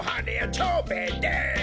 蝶兵衛です！